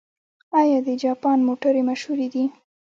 آیا د جاپان موټرې مشهورې دي؟